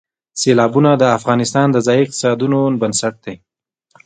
سیلابونه د افغانستان د ځایي اقتصادونو بنسټ دی.